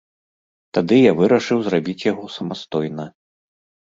Тады я вырашыў зрабіць яго самастойна.